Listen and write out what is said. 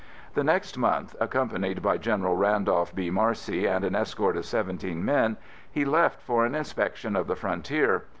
The next month, accompanied by General Randolph B. Marcy and an escort of seventeen men, he left for an inspection of the frontier.